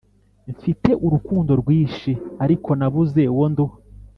Mfite urukundo rwishi ariko nabuze uwo nduha